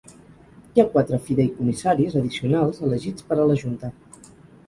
Hi ha quatre fideïcomissaris addicionals elegits per a la Junta.